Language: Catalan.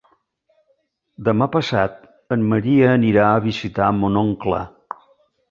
Demà passat en Maria anirà a visitar mon oncle.